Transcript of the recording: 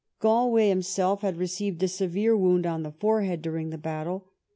Galway himself had received a severe wound on the forehead during the battle.